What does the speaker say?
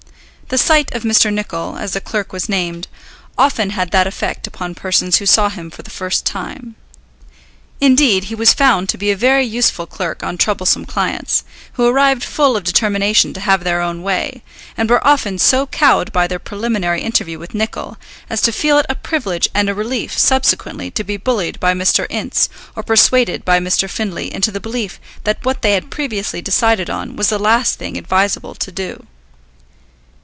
The sight of Mr. Nicol, as the clerk was named, often had that effect upon persons who saw him for the first time; indeed he was found to be a very useful check on troublesome clients, who arrived full of determination to have their own way, and were often so cowed by their preliminary interview with Nicol as to feel it a privilege and a relief subsequently to be bullied by Mr. Ince, or persuaded by Mr. Findlay into the belief that what they had previously decided on was the last thing advisable to do.